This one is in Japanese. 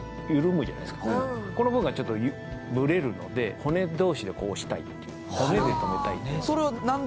この分がちょっとブレるので骨同士で押したいっていう骨で止めたい。